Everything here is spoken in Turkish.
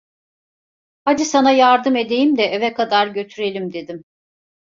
Hadi sana yardım edeyim de eve kadar götürelim! dedim.